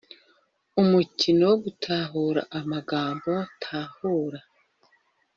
Umukino wo gutahura amagambo Tahura